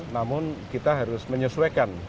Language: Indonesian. namun kita harus mencari bangunan yang lama